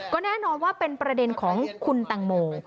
ก็แน่นอนว่าเป็นประเด็นของคุณตังโม